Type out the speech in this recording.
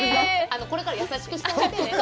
これから優しくしてあげてね。